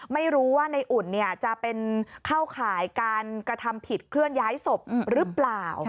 ไม่รู้ว่าในอุ่นจะเป็นเข้าข่ายการกระทำผิดเคลื่อนย้ายศพหรือเปล่า